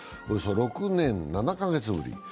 およそ６年７カ月ぶり。